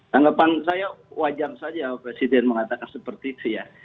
tanggapan saya wajar saja presiden mengatakan seperti itu ya